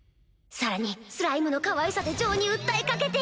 さらにスライムのかわいさで情に訴えかけて